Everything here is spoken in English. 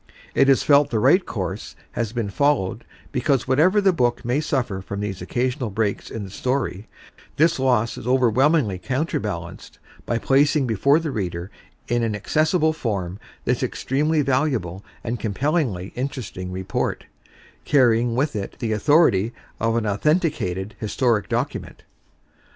It is felt the IX x CANADA S HUNDRED DAYS right course has been followed because whatever the book may suffer from these occasional breaks in the story, this loss is overwhelmingly counter balanced by placing before the reader in an accessible form this extremely valuable and compellingly interesting report, carrying with it the authority of an authenticated historic document.